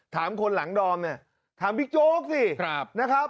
ถามคนหลังดอมเนี่ยถามบิ๊กโจ๊กสินะครับ